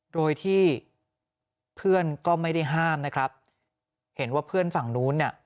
โดยที่เพื่อนก็ไม่ได้ห้ามนะครับเห็นว่าเพื่อนฝั่งนู้นเนี่ย